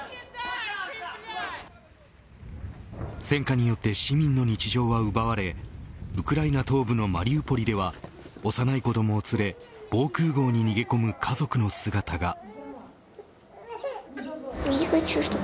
戦禍によって市民の日常は奪われウクライナ東部のマリウポリでは幼い子どもを連れ防空壕に逃げ込む家族の姿が。